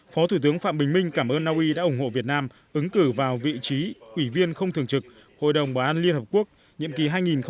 phó thủ tướng phạm bình minh cảm ơn naui đã ủng hộ việt nam ứng cử vào vị trí ủy viên không thường trực hội đồng bảo an liên hợp quốc nhiệm kỳ hai nghìn hai mươi hai nghìn hai mươi một